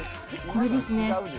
これですね。